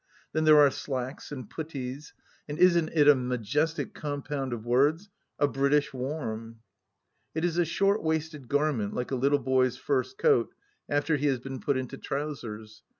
Then there are "slacks" and "puttees"; and, isn't it a majestic compound of words ?— a " British warm." It is a short waisted garment like a little boy's first coat after he has been put into trousers.